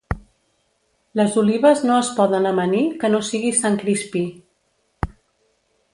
Les olives no es poden amanir que no sigui Sant Crispí.